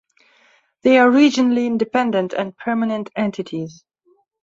They are regionally independent and permanent entities.